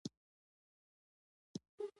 په ګدام کې دننه دا انبار پاک ساتل کېږي.